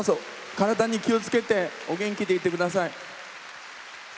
体に気をつけてお元気でいてください。